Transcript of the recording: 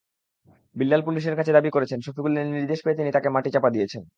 বিল্লাল পুলিশের কাছে দাবি করেছেন, সফিকুলের নির্দেশ পেয়ে তিনি তাঁকে মাটিচাপা দিয়েছেন।